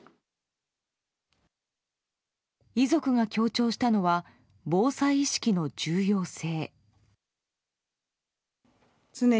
遺族が強調したのは防災意識の重要性。